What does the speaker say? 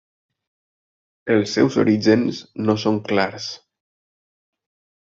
Els seus orígens no són clars.